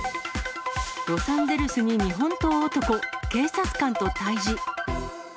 ロサンゼルスに日本刀男、警察官と対じ。